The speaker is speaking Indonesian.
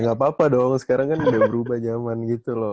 ya gapapa dong sekarang kan udah berubah zaman gitu loh